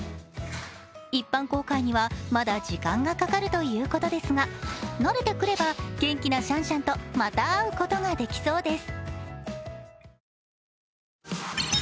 一般公開には、まだ時間がかかるということですが慣れてくれば元気なシャンシャンと、また会うことができそうです。